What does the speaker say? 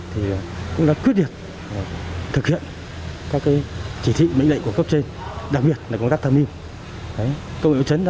thực hiện các chỉ thị mệnh lệnh của cấp trên đặc biệt là công tác tham niên